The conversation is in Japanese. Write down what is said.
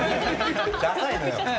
ダサいのよ。